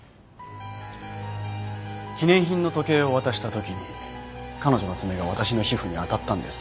記念品の時計を渡した時に彼女の爪が私の皮膚に当たったんです。